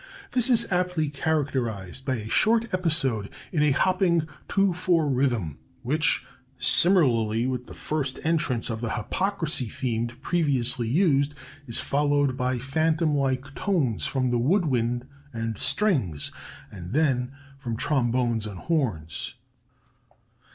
This is aptly characterized by a short episode in a hopping 2 4 rhythm, which, similarly with the first entrance of the Hypocrisy theme previously used, is followed by phantom like tones from the wood wind and strings and then from trombones and horns.